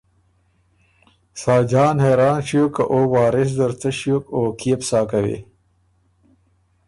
ساجان حېران ݭیوک که او وارث زر څه ݭیوک او کيې بو سا کوی۔